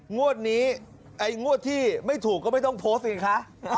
งวดนี้งวดที่ไม่ถูกก็ไม่ต้องโพสต์เห็นไหมคะ